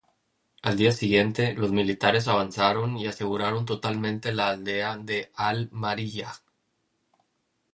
Al día siguiente, los militares avanzaron y aseguraron totalmente la aldea de al-Mari'iyah.